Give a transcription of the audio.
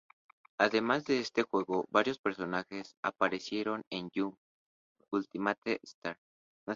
Además de este juego varios personajes aparecieron en "Jump Ultimate Stars".